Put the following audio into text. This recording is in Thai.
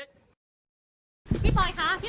พี่พูดนิดนึงค่ะพี่